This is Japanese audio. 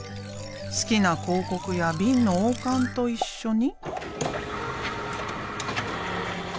好きな広告やビンの王冠と一緒に。